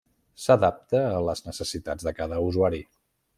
S'adapta a les necessitats de cada usuari.